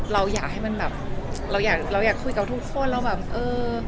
เราอย่าให้มันแบบเราอยากคุยกับทุกคนแล้วแบบเออ